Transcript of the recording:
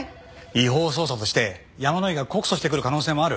違法捜査として山野井が告訴してくる可能性もある。